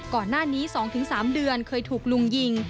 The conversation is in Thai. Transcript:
ก่อนหน้านี้๒๓เดือนเคยถูกลุงยิง